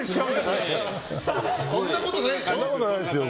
そんなことないですよ。